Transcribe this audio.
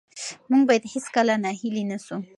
موږ باید هېڅکله ناهیلي نه سو.